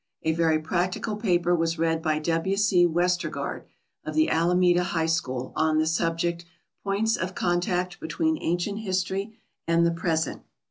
A very practical paper was read by W. C. Westergaard, of the Alameda High School, on the subject, "Points of Contact between Ancient History and the Present."